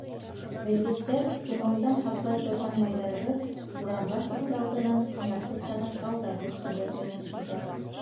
Белгестәр туңыуҙан һаҡлай торған майҙарҙы урамға сығыр алдынан ярты сәғәт алда һөртөргә кәңәш итә.